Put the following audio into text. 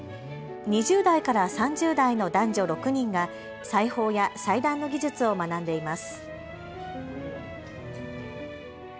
２０代から３０代の男女６人が裁縫や裁断の技術を学んでいます。